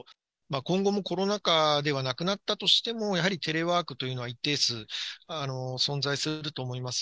今後もコロナ禍ではなくなったとしても、やはりテレワークというのは一定数、存在すると思います。